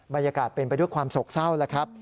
บรรยากาศเป็นไปด้วยความโศกเศร้าแล้วครับ